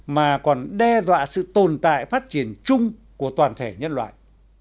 mà còn đe dọa sự tồn tại phát triển chung của toàn thể nhân loại